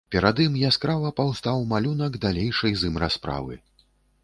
Перад ім яскрава паўстаў малюнак далейшай з ім расправы.